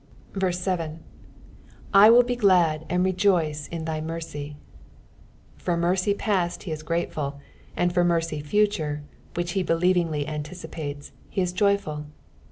7. " I aW. he glad and r^iee in thy merey.'^ For mercy past he is grateful, and for mercy future, which he believingly anticipates, he is joyful.